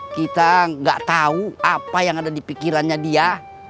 kita gak tau apa yang ada di pikirannya dia